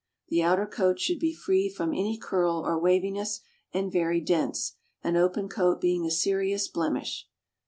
The outer coat should be free from any curl or waviness, and very dense — an open coat being a serious blemish.